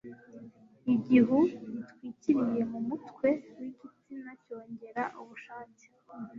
Igihu gitwikiriye ku mutwe w'igitsina cyongera ubushake,